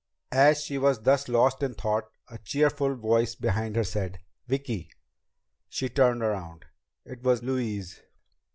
As she was thus lost in thought, a cheerful voice behind her said: "Vicki!" She turned around. It was Louise.